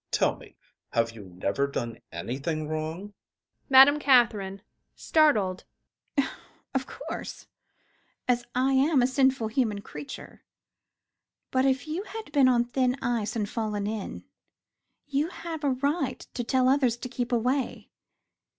Tell me: have you never done anything wrong? MME. CATHERINE. [Startled] Of course, as I am a sinful human creature. But if you have been on thin ice and fallen in, you have a right to tell others to keep away.